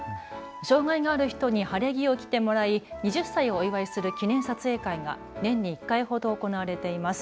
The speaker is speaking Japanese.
障害がある人に晴れ着を着てもらい、２０歳をお祝いする記念撮影会が年に１回ほど行われています。